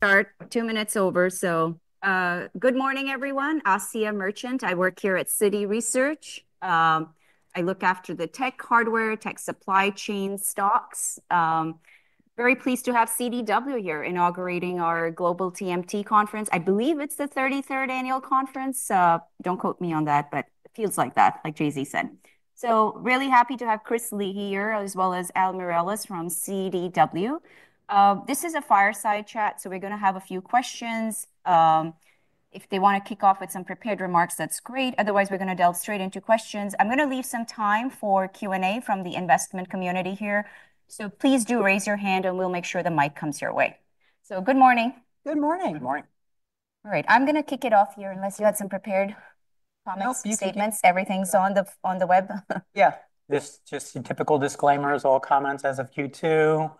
Start two minutes over. Good morning, everyone. I'm Asiya Merchant. I work here at Citi Research. I look after the tech hardware, tech supply chain stocks. Very pleased to have CDW here inaugurating our Global TMT Conference. I believe it's the 33rd annual conference. Don't quote me on that, but it feels like that, like Jay-Z said. Really happy to have Christine Leahy here as well as Al Miralles from CDW. This is a fireside chat, so we're going to have a few questions. If they want to kick off with some prepared remarks, that's great. Otherwise, we're going to delve straight into questions. I'm going to leave some time for Q&A from the investment community here. Please do raise your hand and we'll make sure the mic comes your way. Good morning. Good morning. Good morning. All right, I'm going to kick it off here unless you had some prepared comments or statements. Everything's on the web. Just some typical disclaimers. All comments as of Q2.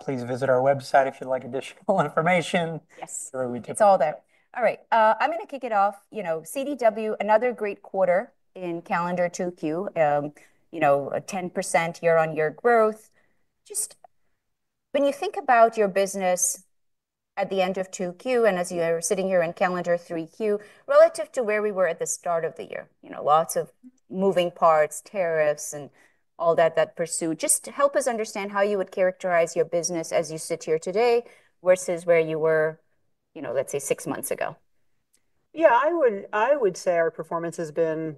Please visit our website if you'd like additional information. Yes, it's all there. All right, I'm going to kick it off. You know, CDW, another great quarter in calendar 2Q. You know, a 10% year-on-year growth. Just when you think about your business at the end of 2Q and as you are sitting here in calendar 3Q, relative to where we were at the start of the year, you know, lots of moving parts, tariffs, and all that that pursued, just help us understand how you would characterize your business as you sit here today versus where you were, you know, let's say six months ago. I would say our performance has been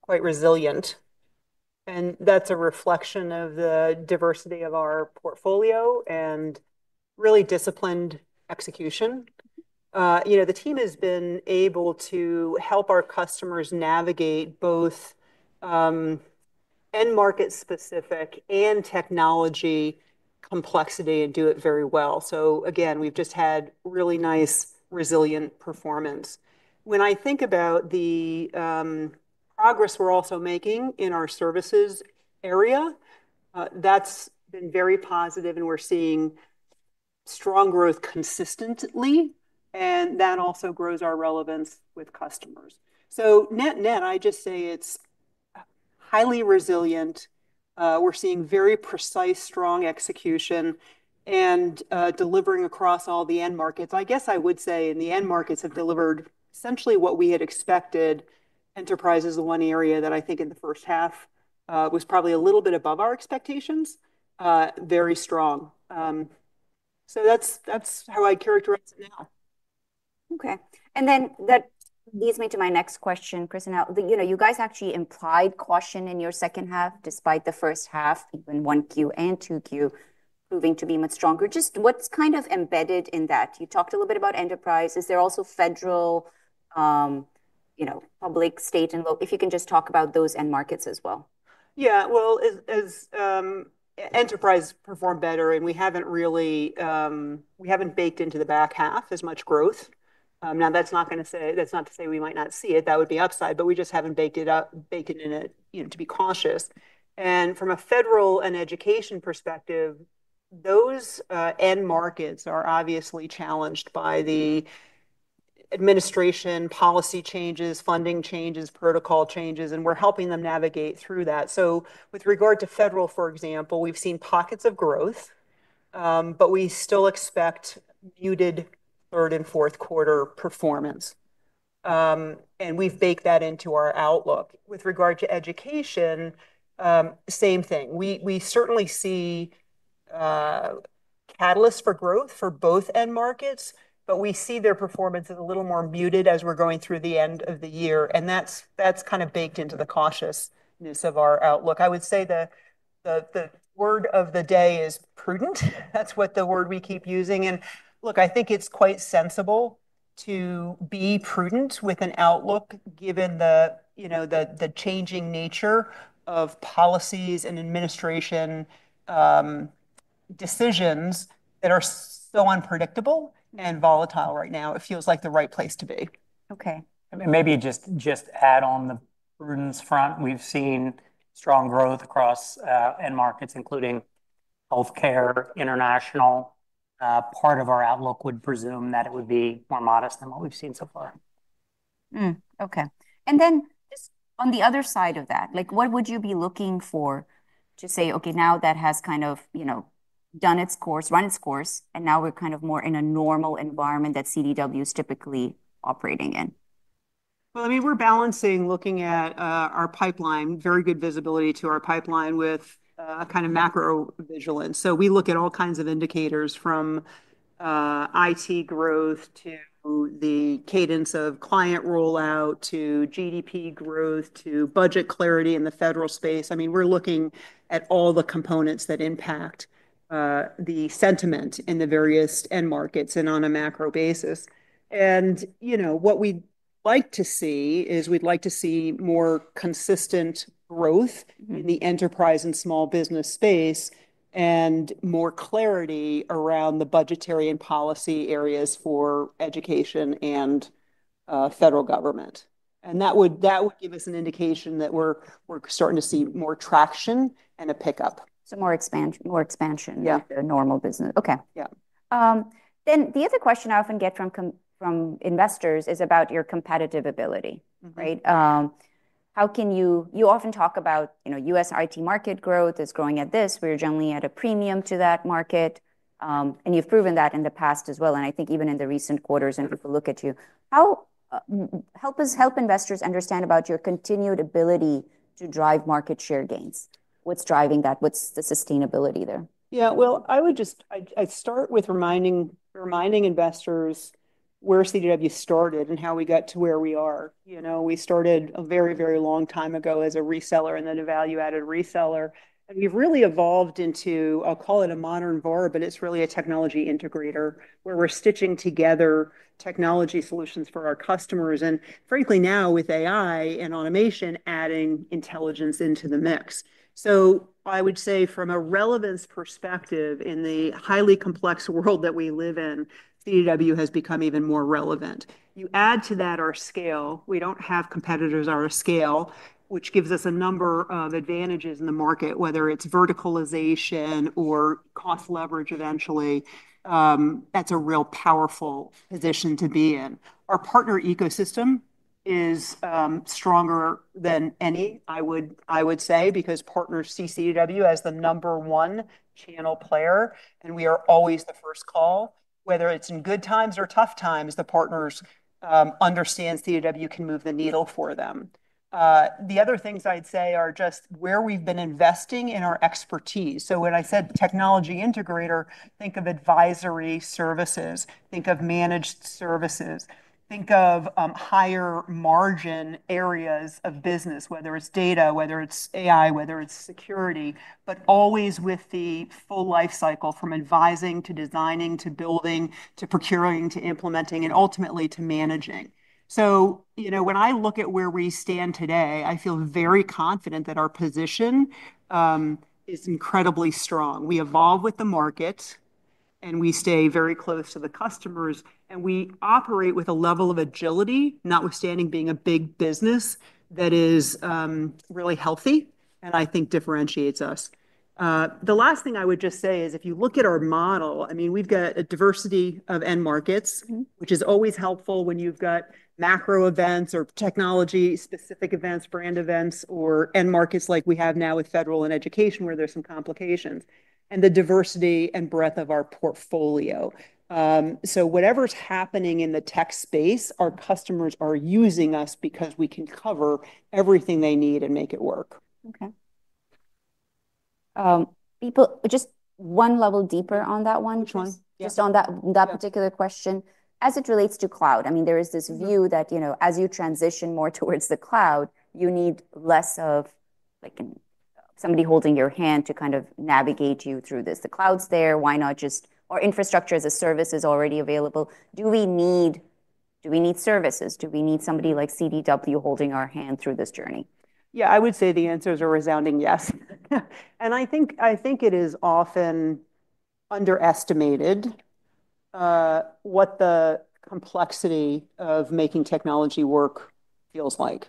quite resilient. That's a reflection of the diversity of our portfolio and really disciplined execution. The team has been able to help our customers navigate both end market specific and technology complexity and do it very well. We've just had really nice resilient performance. When I think about the progress we're also making in our services area, that's been very positive and we're seeing strong growth consistently. That also grows our relevance with customers. Net-net, I just say it's highly resilient. We're seeing very precise, strong execution and delivering across all the end markets. I would say the end markets have delivered essentially what we had expected. Enterprise is the one area that I think in the first half was probably a little bit above our expectations. Very strong. That's how I characterize it now. Okay. That leads me to my next question, Christine. You guys actually implied caution in your second half, despite the first half, even 1Q and 2Q, proving to be much stronger. What's kind of embedded in that? You talked a little bit about enterprise. Is there also federal, public, state, and local, if you can just talk about those end markets as well? As enterprise performed better, and we haven't really baked into the back half as much growth. That's not to say we might not see it. That would be upside, but we just haven't baked it in, you know, to be cautious. From a federal and education perspective, those end markets are obviously challenged by the administration policy changes, funding changes, protocol changes, and we're helping them navigate through that. With regard to federal, for example, we've seen pockets of growth, but we still expect muted third and fourth quarter performance. We've baked that into our outlook. With regard to education, same thing. We certainly see catalysts for growth for both end markets, but we see their performance a little more muted as we're going through the end of the year. That's kind of baked into the cautiousness of our outlook. I would say the word of the day is prudent. That's the word we keep using. I think it's quite sensible to be prudent with an outlook given the changing nature of policies and administration decisions that are so unpredictable and volatile right now. It feels like the right place to be. Okay. On the prudence front, we've seen strong growth across end markets, including healthcare and international. Part of our outlook would presume that it would be more modest than what we've seen so far. Okay. On the other side of that, what would you be looking for to say, okay, now that has kind of, you know, run its course, and now we're kind of more in a normal environment that CDW is typically operating in? We're balancing looking at our pipeline, very good visibility to our pipeline with a kind of macro vigilance. We look at all kinds of indicators from IT growth to the cadence of client rollout to GDP growth to budget clarity in the federal space. We're looking at all the components that impact the sentiment in the various end markets and on a macro basis. What we'd like to see is more consistent growth in the enterprise and small business space and more clarity around the budgetary and policy areas for education and federal government. That would give us an indication that we're starting to see more traction and a pickup. More expansion of the normal business. Okay. Yeah. The other question I often get from investors is about your competitive ability, right? How can you, you often talk about, you know, U.S. IT market growth is growing at this, we're generally at a premium to that market. You've proven that in the past as well. I think even in the recent quarters, if we look at you, help us help investors understand about your continued ability to drive market share gains. What's driving that? What's the sustainability there? I would just start with reminding investors where CDW started and how we got to where we are. You know, we started a very, very long time ago as a reseller and then a value-added reseller. We've really evolved into, I'll call it a modern VaR, but it's really a technology integrator where we're stitching together technology solutions for our customers. Frankly, now with AI and automation adding intelligence into the mix. I would say from a relevance perspective in the highly complex world that we live in, CDW has become even more relevant. You add to that our scale. We don't have competitors on our scale, which gives us a number of advantages in the market, whether it's verticalization or cost leverage eventually. That's a real powerful position to be in. Our partner ecosystem is stronger than any, I would say, because partners see CDW as the number one channel player, and we are always the first call. Whether it's in good times or tough times, the partners understand CDW can move the needle for them. The other things I'd say are just where we've been investing in our expertise. When I said technology integrator, think of advisory services, think of managed services, think of higher margin areas of business, whether it's data, whether it's AI, whether it's security, but always with the full lifecycle from advising to designing to building to procuring to implementing and ultimately to managing. When I look at where we stand today, I feel very confident that our position is incredibly strong. We evolve with the markets, and we stay very close to the customers, and we operate with a level of agility, notwithstanding being a big business that is really healthy, and I think differentiates us. The last thing I would just say is if you look at our model, we've got a diversity of end markets, which is always helpful when you've got macro events or technology-specific events, brand events, or end markets like we have now with federal and education where there's some complications, and the diversity and breadth of our portfolio. Whatever's happening in the tech space, our customers are using us because we can cover everything they need and make it work. Okay, just one level deeper on that one. Sure. Just on that particular question. As it relates to cloud, there is this view that as you transition more towards the cloud, you need less of somebody holding your hand to navigate you through this. The cloud's there. Why not just, or infrastructure as a service is already available. Do we need services? Do we need somebody like CDW holding our hand through this journey? Yeah, I would say the answers are a resounding yes. I think it is often underestimated what the complexity of making technology work feels like.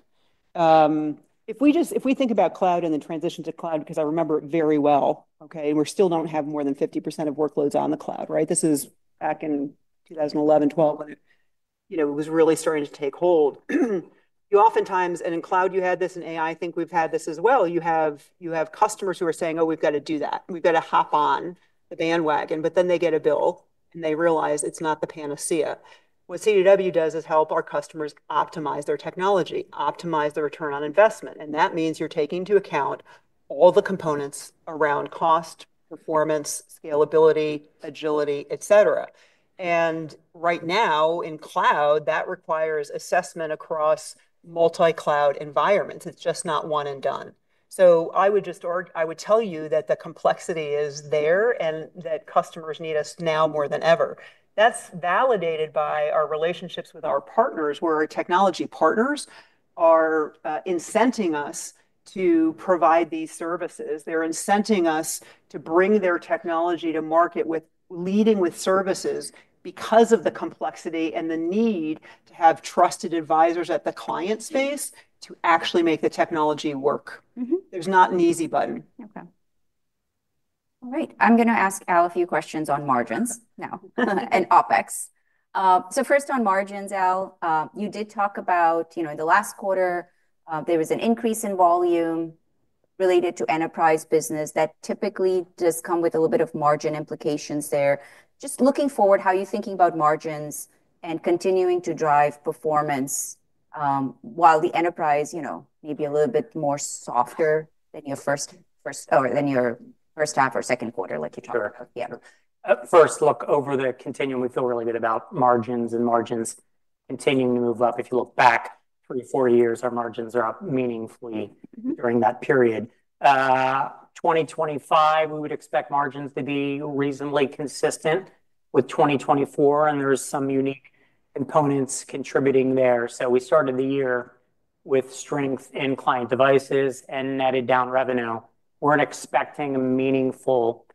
If we think about cloud and the transition to cloud, because I remember it very well, and we still don't have more than 50% of workloads on the cloud, right? This is back in 2011, 2012, when it was really starting to take hold. Oftentimes, in cloud you had this, and with AI, I think we've had this as well, you have customers who are saying, oh, we've got to do that, we've got to hop on the bandwagon, but then they get a bill and they realize it's not the panacea. What CDW does is help our customers optimize their technology, optimize the return on investment. That means you're taking into account all the components around cost, performance, scalability, agility, et cetera. Right now in cloud, that requires assessment across multi-cloud environments. It's just not one and done. I would tell you that the complexity is there and that customers need us now more than ever. That's validated by our relationships with our partners, where our technology partners are incenting us to provide these services. They're incenting us to bring their technology to market with leading with services because of the complexity and the need to have trusted advisors at the client space to actually make the technology work. There's not an easy button. All right. I'm going to ask Al a few questions on margins now and OpEx. First, on margins, Al, you did talk about, in the last quarter, there was an increase in volume related to enterprise business that typically does come with a little bit of margin implications there. Just looking forward, how are you thinking about margins and continuing to drive performance while the enterprise, you know, maybe a little bit more softer than your first, or than your first half or second quarter, like you talked about? Sure. First, look over the continuum, we feel really good about margins and margins continuing to move up. If you look back three, four years, our margins are up meaningfully during that period. 2025, we would expect margins to be reasonably consistent with 2024, and there are some unique components contributing there. We started the year with strength in client devices and netted down revenue. We're expecting a meaningful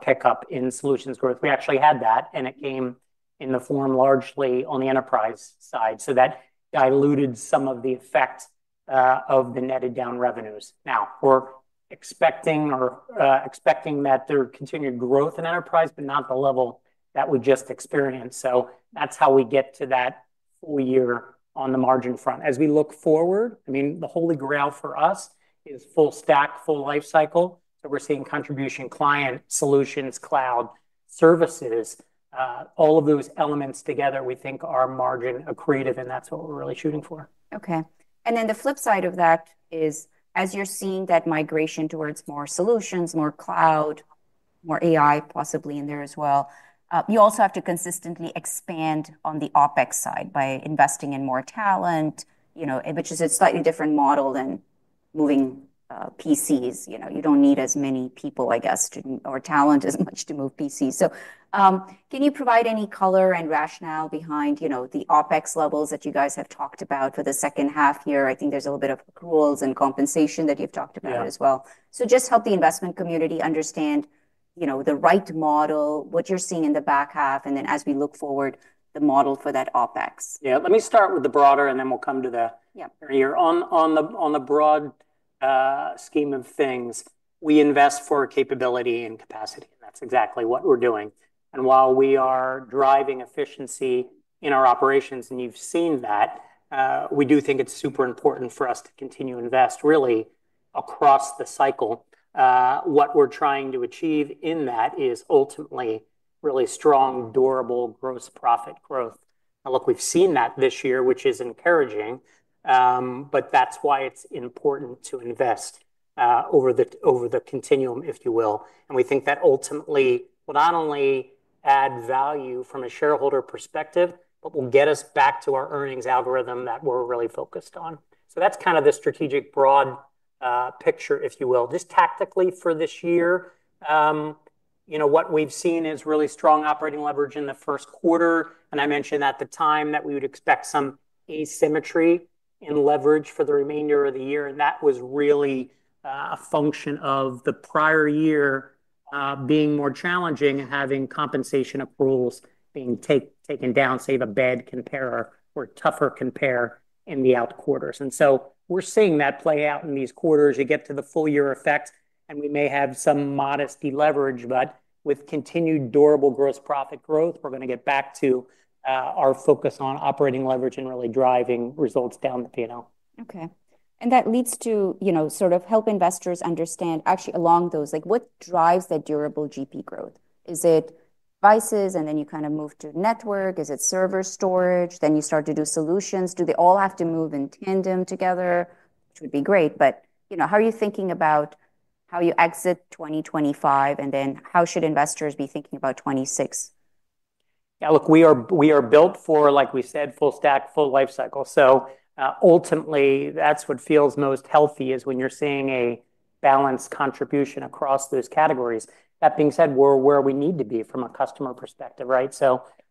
pickup in solutions growth. We actually had that, and it came in the form largely on the enterprise side. That diluted some of the effects of the netted down revenues. Now, we're expecting or expecting that there's continued growth in enterprise, but not the level that we just experienced. That's how we get to that full year on the margin front. As we look forward, the holy grail for us is full stack, full lifecycle, and we're seeing contribution client solutions, cloud services, all of those elements together, we think are margin accretive, and that's what we're really shooting for. Okay. The flip side of that is, as you're seeing that migration towards more solutions, more cloud, more AI possibly in there as well, you also have to consistently expand on the OpEx side by investing in more talent, which is a slightly different model than moving PCs. You don't need as many people, I guess, or talent as much to move PCs. Can you provide any color and rationale behind the OpEx levels that you guys have talked about for the second half here? I think there's a little bit of pools and compensation that you've talked about as well. Help the investment community understand the right model, what you're seeing in the back half, and as we look forward, the model for that OpEx. Let me start with the broader, and then we'll come to the year. On the broad scheme of things, we invest for capability and capacity. That's exactly what we're doing. While we are driving efficiency in our operations, and you've seen that, we do think it's super important for us to continue to invest really across the cycle. What we're trying to achieve in that is ultimately really strong, durable gross profit growth. We've seen that this year, which is encouraging. That's why it's important to invest over the continuum, if you will. We think that ultimately will not only add value from a shareholder perspective, but will get us back to our earnings algorithm that we're really focused on. That's kind of the strategic broad picture, if you will. Just tactically for this year, what we've seen is really strong operating leverage in the first quarter. I mentioned at the time that we would expect some asymmetry in leverage for the remainder of the year. That was really a function of the prior year being more challenging and having compensation approvals being taken down, say, the bad compare or tougher compare in the out quarters. We're seeing that play out in these quarters. You get to the full year effect, and we may have some modest leverage, but with continued durable gross profit growth, we're going to get back to our focus on operating leverage and really driving results down the P&L. Okay. That leads to, you know, sort of help investors understand actually along those, like what drives that durable GP growth? Is it devices and then you kind of move to network? Is it server storage? Then you start to do solutions. Do they all have to move in tandem together? It would be great, but you know, how are you thinking about how you exit 2025 and then how should investors be thinking about 2026? Yeah, look, we are built for, like we said, full stack, full lifecycle. Ultimately, that's what feels most healthy, when you're seeing a balanced contribution across those categories. That being said, we're where we need to be from a customer perspective, right?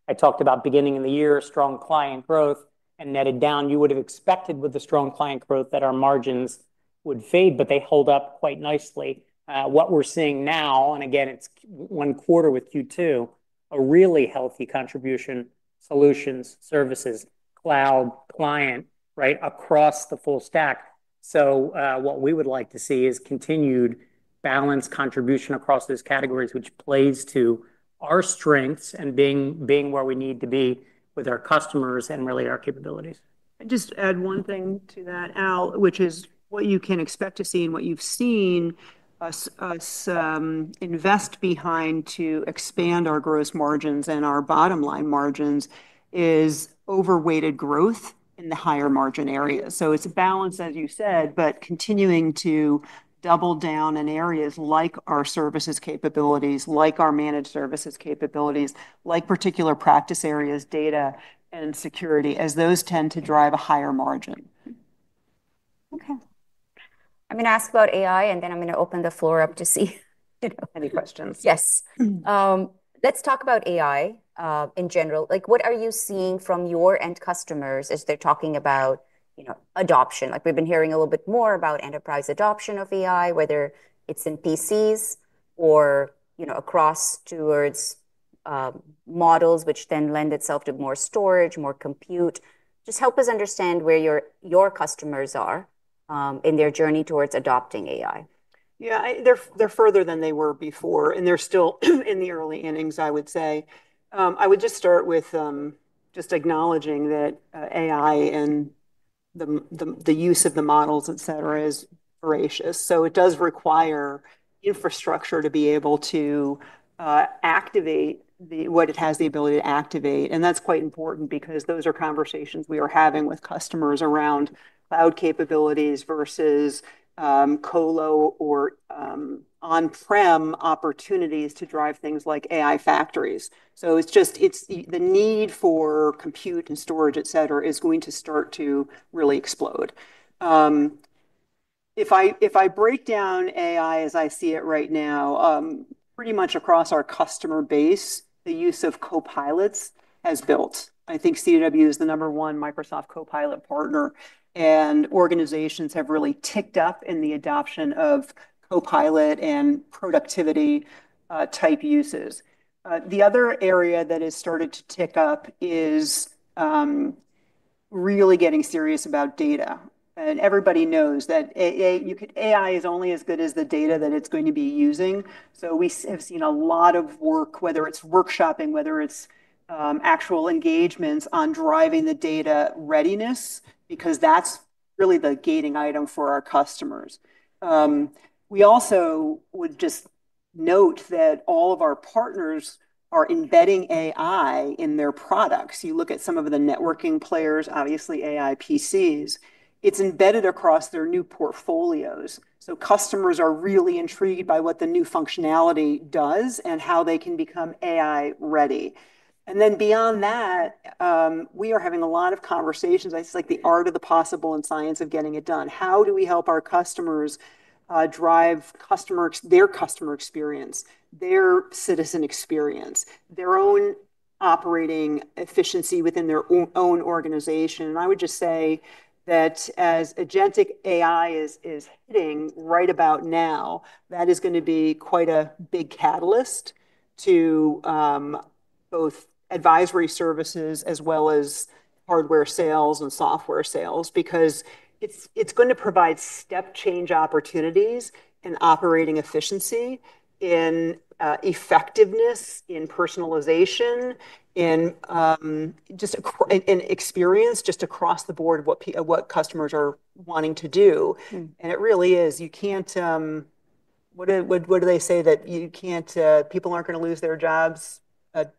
I talked about beginning of the year, strong client growth and netted down. You would have expected with the strong client growth that our margins would fade, but they hold up quite nicely. What we're seeing now, and again, it's one quarter with Q2, a really healthy contribution: solutions, services, cloud, client, right, across the full stack. What we would like to see is continued balanced contribution across those categories, which plays to our strengths and being where we need to be with our customers and really our capabilities. I'd just add one thing to that, Al, which is what you can expect to see and what you've seen us invest behind to expand our gross margins and our bottom line margins is overweighted growth in the higher margin areas. It's a balance, as you said, but continuing to double down in areas like our services capabilities, like our managed services capabilities, like particular practice areas, data, and security, as those tend to drive a higher margin. Okay. I'm going to ask about AI, and then I'm going to open the floor up to see. Any questions? Yes. Let's talk about AI in general. What are you seeing from your end customers as they're talking about adoption? We've been hearing a little bit more about enterprise adoption of AI, whether it's in PCs or across towards models, which then lend itself to more storage, more compute. Just help us understand where your customers are in their journey towards adopting AI. Yeah, they're further than they were before, and they're still in the early innings, I would say. I would just start with just acknowledging that AI and the use of the models, et cetera, is voracious. It does require infrastructure to be able to activate what it has the ability to activate. That's quite important because those are conversations we are having with customers around cloud capabilities versus colo or on-prem opportunities to drive things like AI factories. The need for compute and storage, et cetera, is going to start to really explode. If I break down AI as I see it right now, pretty much across our customer base, the use of Copilot has built. I think CDW is the number one Microsoft Copilot partner, and organizations have really ticked up in the adoption of Copilot and productivity type uses. The other area that has started to tick up is really getting serious about data. Everybody knows that AI is only as good as the data that it's going to be using. We have seen a lot of work, whether it's workshopping or actual engagements on driving the data readiness, because that's really the gating item for our customers. We also would just note that all of our partners are embedding AI in their products. You look at some of the networking players, obviously AI PCs. It's embedded across their new portfolios. Customers are really intrigued by what the new functionality does and how they can become AI ready. Beyond that, we are having a lot of conversations, I just like the art of the possible and science of getting it done. How do we help our customers drive their customer experience, their citizen experience, their own operating efficiency within their own organization? I would just say that as Agentic AI is hitting right about now, that is going to be quite a big catalyst to both advisory services as well as hardware sales and software sales, because it's going to provide step change opportunities in operating efficiency, in effectiveness, in personalization, in experience just across the board of what customers are wanting to do. It really is, you can't, what do they say? You can't, people aren't going to lose their jobs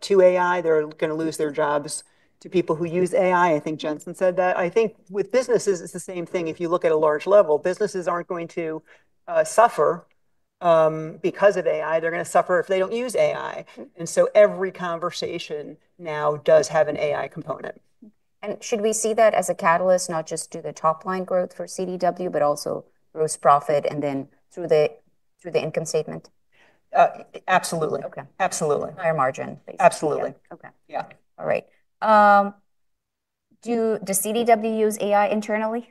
to AI. They're going to lose their jobs to people who use AI. I think Jensen said that. I think with businesses, it's the same thing. If you look at a large level, businesses aren't going to suffer because of AI. They're going to suffer if they don't use AI. Every conversation now does have an AI component. Should we see that as a catalyst, not just to the top line growth for CDW, but also gross profit and then through the income statement? Absolutely. Okay. Absolutely. Higher margin. Absolutely. Okay. Yeah. All right. Does CDW use AI internally?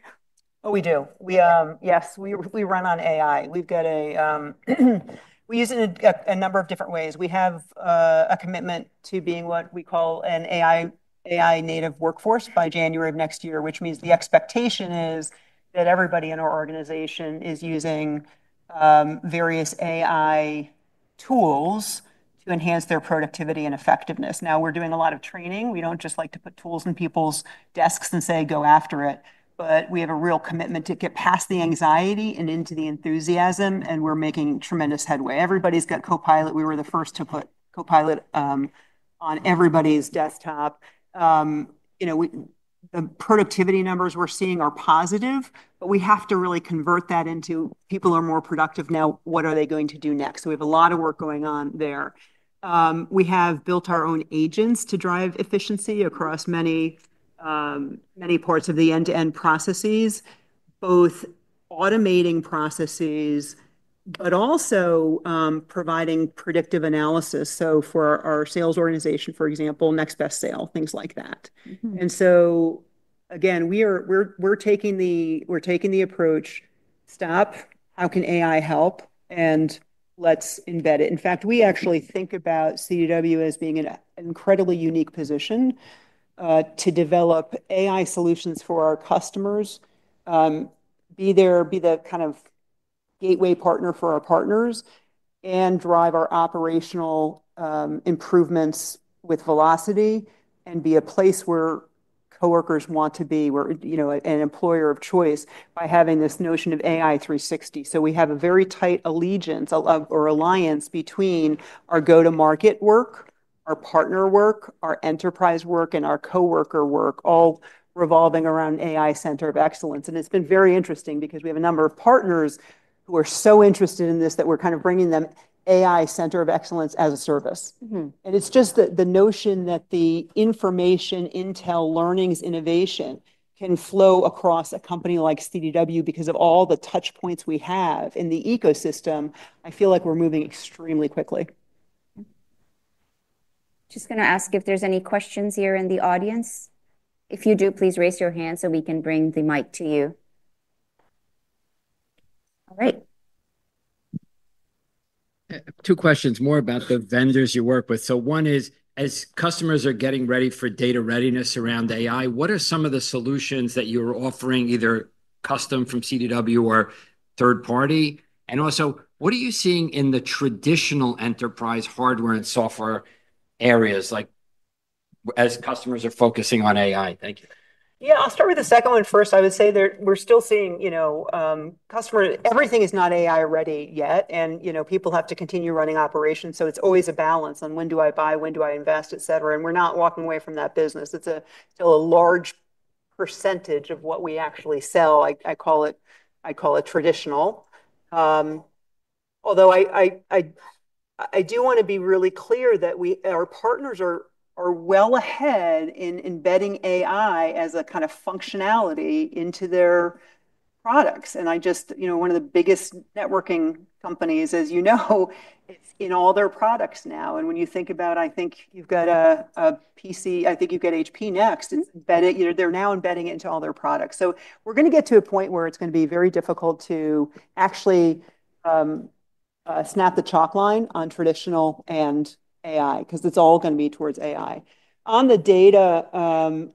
Oh, we do. Yes, we run on AI. We use it in a number of different ways. We have a commitment to being what we call an AI-native workforce by January of next year, which means the expectation is that everybody in our organization is using various AI tools to enhance their productivity and effectiveness. Now we're doing a lot of training. We don't just like to put tools on people's desks and say, go after it. We have a real commitment to get past the anxiety and into the enthusiasm, and we're making tremendous headway. Everybody's got Copilot. We were the first to put Copilot on everybody's desktop. The productivity numbers we're seeing are positive, but we have to really convert that into people are more productive now. What are they going to do next? We have a lot of work going on there. We have built our own agents to drive efficiency across many, many parts of the end-to-end processes, both automating processes and also providing predictive analysis. For our sales organization, for example, next best sale, things like that. We are taking the approach: stop, how can AI help, and let's embed it. In fact, we actually think about CDW as being in an incredibly unique position to develop AI solutions for our customers, be there, be the kind of gateway partner for our partners, and drive our operational improvements with velocity, and be a place where coworkers want to be, you know, an employer of choice by having this notion of AI 360. We have a very tight allegiance or alliance between our go-to-market work, our partner work, our enterprise work, and our coworker work, all revolving around AI center of excellence. It's been very interesting because we have a number of partners who are so interested in this that we're kind of bringing them AI center of excellence as a service. It's just the notion that the information, intel, learnings, innovation can flow across a company like CDW because of all the touch points we have in the ecosystem. I feel like we're moving extremely quickly. Just going to ask if there's any questions here in the audience. If you do, please raise your hand so we can bring the mic to you. All right. Two questions, more about the vendors you work with. One is, as customers are getting ready for data readiness around AI, what are some of the solutions that you're offering, either custom from CDW or third party? Also, what are you seeing in the traditional enterprise hardware and software areas, like as customers are focusing on AI? Thank you. Yeah, I'll start with the second one. First, I would say that we're still seeing, you know, customers, everything is not AI ready yet. You know, people have to continue running operations. It's always a balance on when do I buy, when do I invest, et cetera. We're not walking away from that business. It's still a large percentage of what we actually sell. I call it traditional. I do want to be really clear that our partners are well ahead in embedding AI as a kind of functionality into their products. One of the biggest networking companies, as you know, it's in all their products now. When you think about, I think you've got a PC, I think you've got HP Next. They're now embedding it into all their products. We're going to get to a point where it's going to be very difficult to actually snap the chalk line on traditional and AI, because it's all going to be towards AI. On the data, on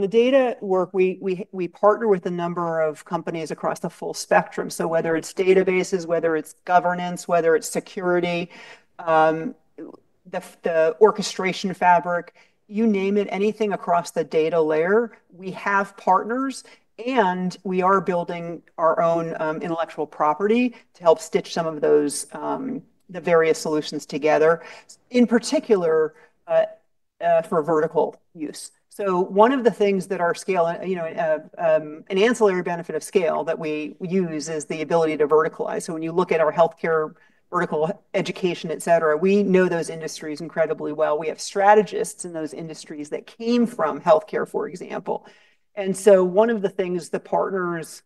the data work, we partner with a number of companies across the full spectrum. Whether it's databases, whether it's governance, whether it's security, the orchestration fabric, you name it, anything across the data layer, we have partners and we are building our own intellectual property to help stitch some of those, the various solutions together, in particular for vertical use. One of the things that our scale, you know, an ancillary benefit of scale that we use is the ability to verticalize. When you look at our healthcare vertical, education, et cetera, we know those industries incredibly well. We have strategists in those industries that came from healthcare, for example. One of the things the partners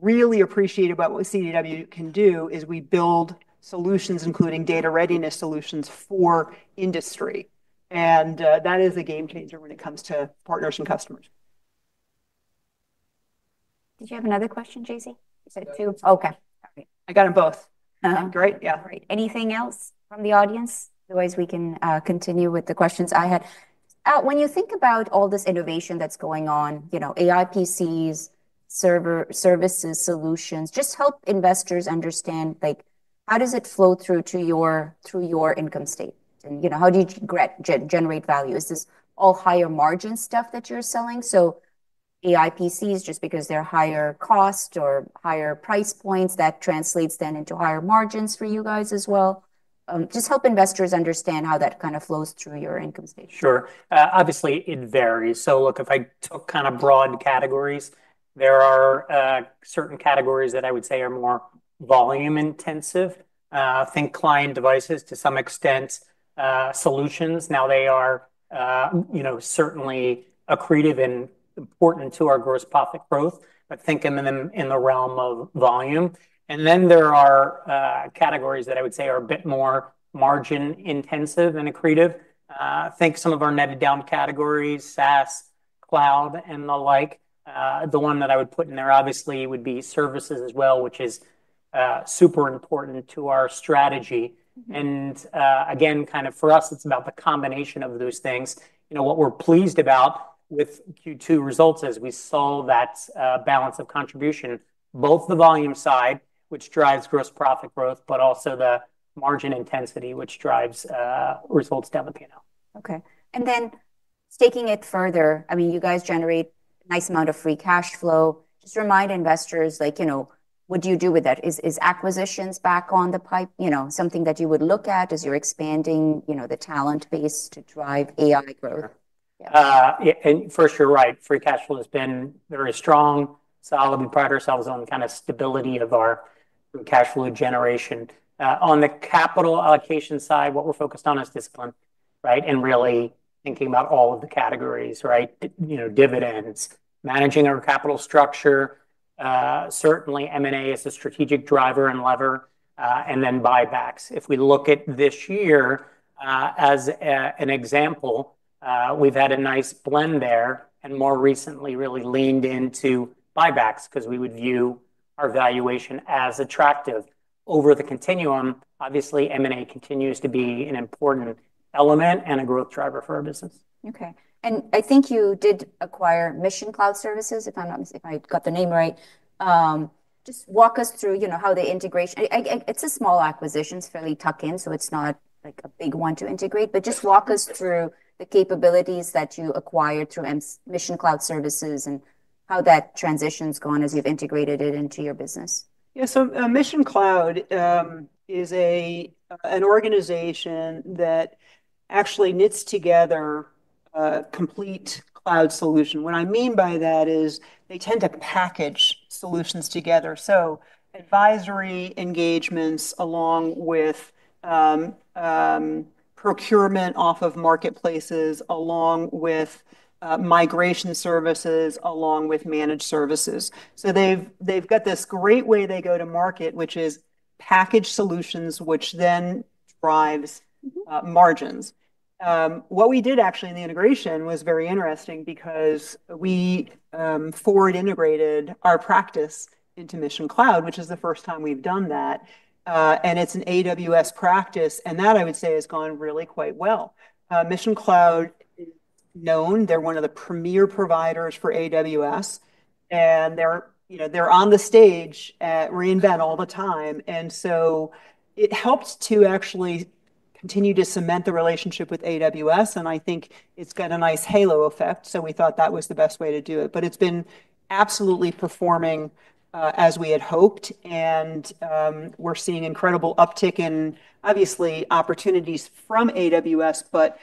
really appreciate about what CDW can do is we build solutions, including data readiness solutions for industry. That is a game changer when it comes to partners and customers. Did you have another question, Jay-Z? Is that two? Okay. I got them both. Great. Yeah. All right. Anything else from the audience? Otherwise, we can continue with the questions I had. When you think about all this innovation that's going on, you know, AI PCs, server services, solutions, just help investors understand, like, how does it flow through to your income statement? You know, how do you generate value? Is this all higher margin stuff that you're selling? AI PCs, just because they're higher cost or higher price points, that translates then into higher margins for you guys as well. Just help investors understand how that kind of flows through your income statement. Sure. Obviously, it varies. If I took kind of broad categories, there are certain categories that I would say are more volume intensive. I think client devices, to some extent, solutions. They are certainly accretive and important to our gross profit growth. I think in the realm of volume. There are categories that I would say are a bit more margin intensive and accretive. I think some of our netted down categories, SaaS, cloud, and the like, the one that I would put in there, obviously, would be services as well, which is super important to our strategy. For us, it's about the combination of those things. What we're pleased about with Q2 results is we saw that balance of contribution, both the volume side, which drives gross profit growth, but also the margin intensity, which drives results down the P&L. Okay. Taking it further, you guys generate a nice amount of free cash flow. Just remind investors, what do you do with that? Is acquisitions back on the pipe, something that you would look at as you're expanding the talent base to drive AI growth? Yeah. First, you're right. Free cash flow has been very strong. I'll be proud of ourselves on kind of stability of our free cash flow generation. On the capital allocation side, what we're focused on is discipline, right? Really thinking about all of the categories, right? You know, dividends, managing our capital structure, certainly M&A is a strategic driver and lever, and then buybacks. If we look at this year, as an example, we've had a nice blend there and more recently really leaned into buybacks because we would view our valuation as attractive. Over the continuum, obviously, M&A continues to be an important element and a growth driver for our business. Okay. I think you did acquire Mission Cloud Services, if I got the name right. Just walk us through how the integration, it's a small acquisition, it's fairly tuck-in, so it's not like a big one to integrate, but just walk us through the capabilities that you acquired through Mission Cloud Services and how that transition's gone as you've integrated it into your business. Yeah, Mission Cloud is an organization that actually knits together a complete cloud solution. What I mean by that is they tend to package solutions together, so advisory engagements along with procurement off of marketplaces, along with migration services, along with managed services. They've got this great way they go to market, which is packaged solutions, which then drives margins. What we did in the integration was very interesting because we forward integrated our practice into Mission Cloud, which is the first time we've done that. It's an AWS practice, and I would say that has gone really quite well. Mission Cloud is known. They're one of the premier providers for AWS, and they're on the stage at re:Invent all the time. It helps to actually continue to cement the relationship with AWS, and I think it's got a nice halo effect. We thought that was the best way to do it. It's been absolutely performing as we had hoped, and we're seeing incredible uptick in, obviously, opportunities from AWS, but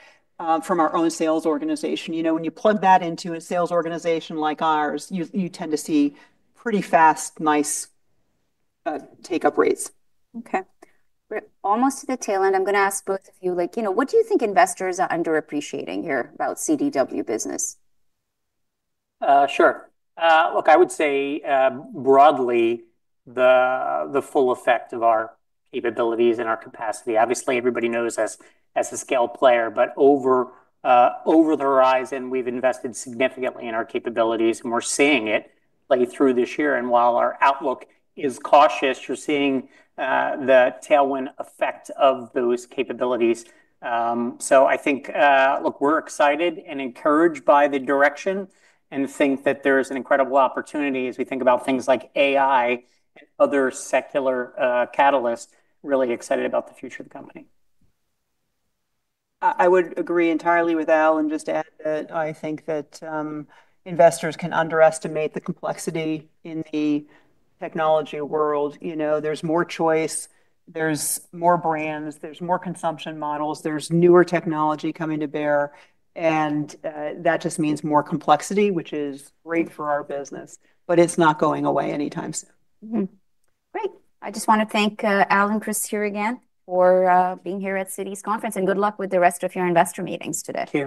from our own sales organization. When you plug that into a sales organization like ours, you tend to see pretty fast, nice take-up rates. Okay. We're almost to the tail end. I'm going to ask both of you, like, you know, what do you think investors are underappreciating here about CDW business? Sure. I would say broadly, the full effect of our capabilities and our capacity. Obviously, everybody knows us as a scale player, but over the horizon, we've invested significantly in our capabilities, and we're seeing it play through this year. While our outlook is cautious, you're seeing the tailwind effect of those capabilities. I think we're excited and encouraged by the direction and think that there's an incredible opportunity as we think about things like AI and other secular catalysts. Really excited about the future of the company. I would agree entirely with Al and just add that I think that investors can underestimate the complexity in the technology world. There's more choice, more brands, more consumption models, and newer technology coming to bear. That just means more complexity, which is great for our business. It's not going away anytime soon. Great. I just want to thank Al and Christine here again for being here at Citi Research's conference. Good luck with the rest of your investor meetings today.